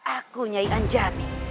akunya yang jamin